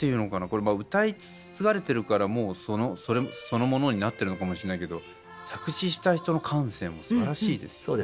これ歌い継がれてるからもうそのそれそのものになってるのかもしれないけど作詞した人の感性もすばらしいですよね。